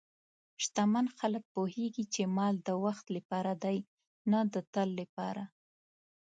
شتمن خلک پوهېږي چې مال د وخت لپاره دی، نه د تل لپاره.